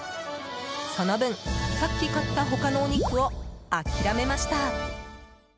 その分、さっき買った他のお肉を諦めました。